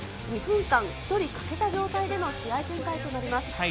２分間、１人欠けた状態での試合展開となります。